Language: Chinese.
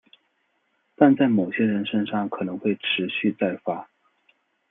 但在某些人身上可能会持续再发。